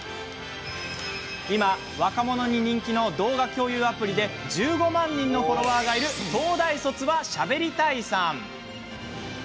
今、若者に人気の動画共有アプリで１５万人のフォロワーがいる東大卒はしゃべりたいさん。